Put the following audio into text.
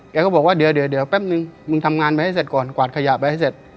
แกก็บอกว่าเดี๋ยวแป๊บนึงมึงทำงานไปให้เสร็จก่อนกวาดขยะไปให้เสร็จ